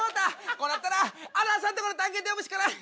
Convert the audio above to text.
こうなったらあるあるさんとこの探検隊呼ぶしかない！